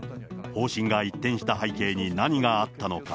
方針が一転した背景に何があったのか。